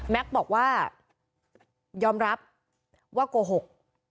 บอกว่ายอมรับว่าโกหก